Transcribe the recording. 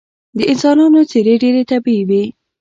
د انسانانو څیرې ډیرې طبیعي وې